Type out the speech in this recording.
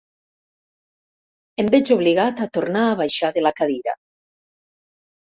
Em veig obligat a tornar a baixar de la cadira.